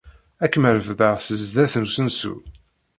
Ad kem-refdeɣ seg sdat n usensu.